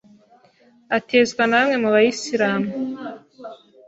atezwa na bamwe mu bayislamu